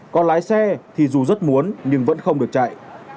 còn lái xe thì dù rất muốn nhưng vẫn không được chạy